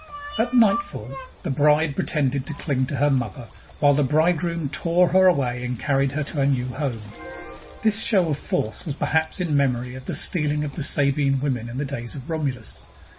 At nightfall the bride pretended to cling to her mother, while the bridegroom tore her away and carried her to her new home. This show of force was perhaps in memory of the stealing of the Sabine women in the days of Romulus.